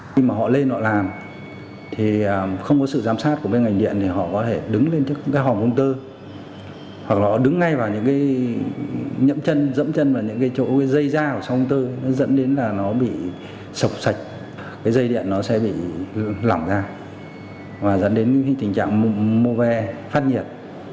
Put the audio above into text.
khi mà họ lên họ làm thì không có sự giám sát của bên ngành điện thì họ có thể đứng lên trước cái hòm công tơ hoặc là họ đứng ngay vào những cái nhẫm chân dẫm chân vào những cái chỗ dây ra của sông công tơ nó dẫn đến là nó bị sọc sạch cái dây điện nó sẽ bị lỏng ra và dẫn đến những tình trạng mô ve phát nhiệt